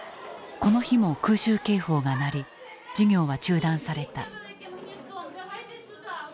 この日も空襲警報が鳴り授業は中断された。